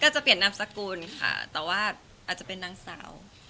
จะเปลี่ยนนามสกุลค่ะแต่ว่าอาจจะเป็นนางสาว